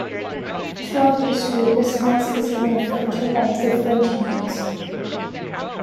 Throughout history, this mosque has been referred to by different names.